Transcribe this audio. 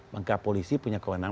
maka polisi punya kewenangan